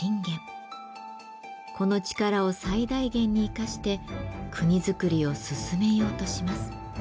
この力を最大限にいかして国づくりを進めようとします。